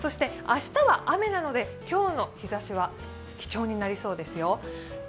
明日は雨なので今日の日ざしは貴重になりそうですよ。